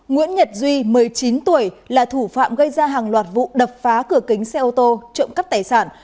nguyễn nhật duy một mươi chín tuổi là thủ phạm gây ra hàng loạt vụ đập phá cửa kính xe ô tô trộm cắp tài sản